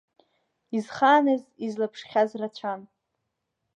Изхааныз, излаԥшхьаз рацәан.